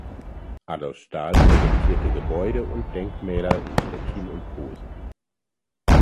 Adolf Stahl projektierte Gebäude und Denkmäler in Stettin und Posen.